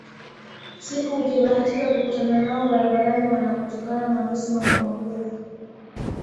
Siku ukibahatika kukutana nao barabarani wanatukana matusi makubwamakubwa